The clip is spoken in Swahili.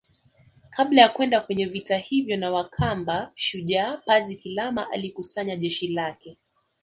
Kabla ya kwenda kwenye vita hivyo na wakamba Shujaa Pazi Kilama alikusanya jeshi lake